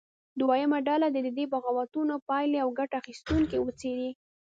دویمه ډله دې د دې بغاوتونو پایلې او ګټه اخیستونکي وڅېړي.